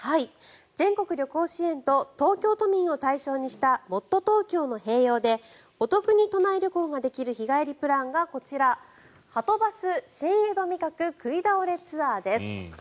全国旅行支援と東京都民を対象にしたもっとＴｏｋｙｏの併用でお得に都内旅行ができる日帰りプランがこちら、はとバス新江戸味覚食い倒れツアーです。